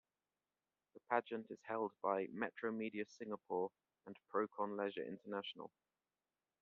The pageant is held by Metromedia Singapore and Procon Leisure International.